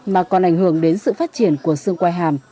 mà còn ảnh hưởng đến sự phát triển của xương quay hàm